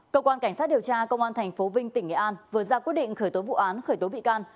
cơ quan cảnh sát điều tra công an tp vinh tỉnh nghệ an vừa ra quyết định khởi tố vụ án khởi tố bị can